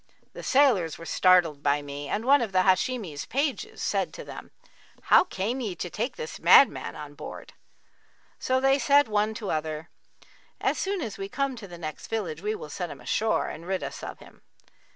The sailors were startled by me and one of the Hashimi's pages said to them, 'How came ye to take this madman on board?' So they said one to other, 'As soon as we come to the next village, we will set him ashore and rid us of him.'